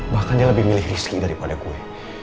bahkan dia lebih milih rizki daripada gue